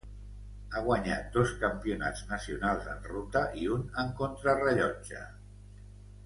Ha guanyat dos campionats nacionals en ruta i un en contrarellotge.